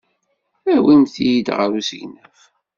Awimt-iyi ɣer usegnaf.